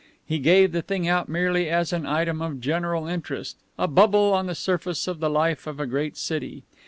He gave the thing out merely as an item of general interest, a bubble on the surface of the life of a great city.